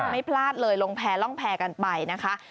ไม่พลาดเลยลงแพรร่องแพร่กันไปนะคะ